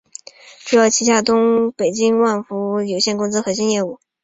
主要旗下北京万富春森林资源发展有限公司核心业务。